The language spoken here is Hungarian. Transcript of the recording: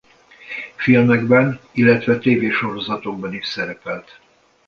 Filmekben illetve tévésorozatokban is szerepelt.